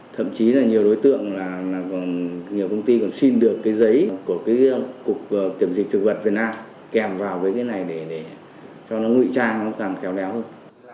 thậm chí là nhiều đối tượng là nhiều công ty còn xin được cái giấy của cái cục kiểm dịch thực vật việt nam kèm vào với cái này để cho nó nguy trang nó càng khéo léo hơn